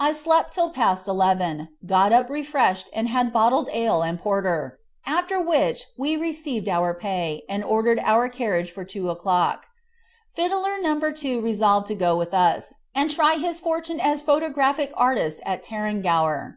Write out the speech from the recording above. I slept till past 11, got up refreshed and had bottled ale and porter, after which we received our pay, and ordered our carriage for 2 o'clock. Fiddler No. 2 resolved to go with us, and try his fortune as photographic artist at Tarrangower.